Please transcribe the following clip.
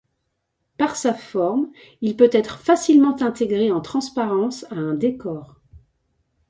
Par sa forme, il peut être facilement intégré en transparence à un décor.